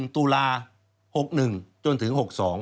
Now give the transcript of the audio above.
ตุลา๖๑จนถึง๖๒